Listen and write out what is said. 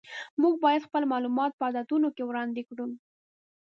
موږ باید خپل معلومات په عددونو کې وړاندې کړو.